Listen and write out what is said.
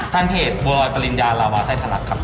ท่านเพจบัวรอยปริญญาลาวาไซ่ถนักครับผม